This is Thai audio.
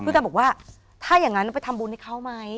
กันบอกว่าถ้าอย่างนั้นไปทำบุญให้เขาไหม